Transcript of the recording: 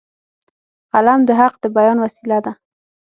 قلم د حق د بیان وسیله ده